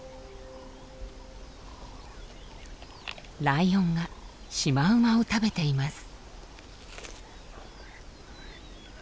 ライオンがシマウマを食べています。